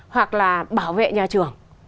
hoặc là bảo vệ nhà trường